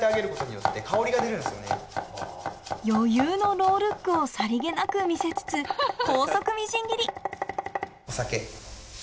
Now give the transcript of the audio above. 余裕のノールックをさりげなく見せつつ高速みじん切りお酒。